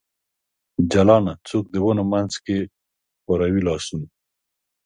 جلانه ! څوک د ونو منځ کې خوروي لاسونه ؟